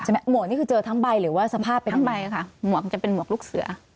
หมวกนี่คือเจอทั้งใบหรือว่าสภาพเป็นทั้งใบค่ะหมวกจะเป็นหมวกลูกเสือ